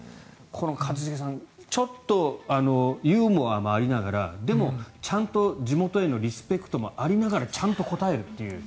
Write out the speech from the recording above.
一茂さん、ちょっとユーモアもありながらでも、ちゃんと地元へのリスペクトもありながらちゃんと答えるっていう。